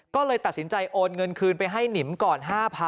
ก็เลยตัดสินใจโอนเงินคืนไปให้หนิมก่อน๕๐๐๐